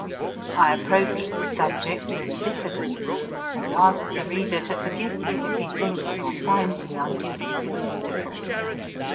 I approach the subject with diffidence, and ask the reader to forgive me if he thinks or finds me unduly egotistical.